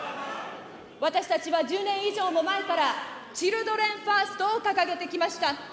私たちは１０年以上も前から、チルドレンファーストを掲げてきました。